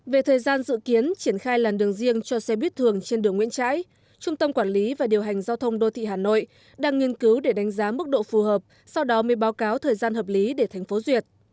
về thời gian dự kiến triển khai làn đường riêng cho xe buýt thường trên đường nguyễn trãi trung tâm quản lý và điều hành giao thông đô thị hà nội đang nghiên cứu để đánh giá mức độ phù hợp sau đó mới báo cáo thời gian hợp lý để thành phố duyệt